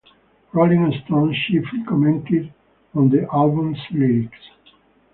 "Rolling Stone" chiefly commented on the album's lyrics.